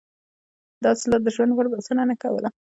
دا حاصلات د ژوند لپاره بسنه نه کوله.